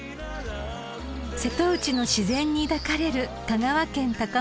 ［瀬戸内の自然に抱かれる香川県高松市］